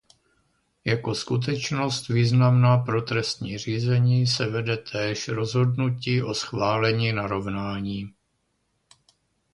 Jako skutečnost významná pro trestní řízení se vede též rozhodnutí o schválení narovnání.